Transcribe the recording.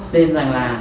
nên rằng là